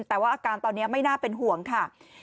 แต่ว่าอาการตอนนี้ไม่น่าเป็นห่วงค่ะ